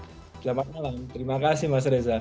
selamat malam terima kasih mas reza